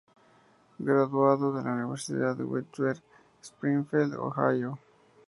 Graduado de la Universidad Wittenberg de Springfield, Ohio.